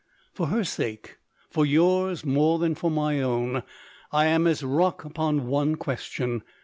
For her sake, for yours, more than for my own, I am as rock upon one question.